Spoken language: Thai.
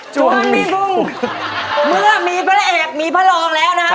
ส่วนมีบุ้งเมื่อมีพระเอกมีพระรองแล้วนะครับ